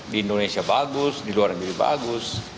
di indonesia bagus di luar negeri bagus